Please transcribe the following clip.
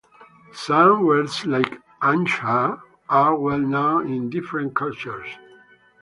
Some words like "achcha" are well known in different cultures.